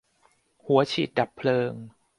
หัวฉีดดับเพลิง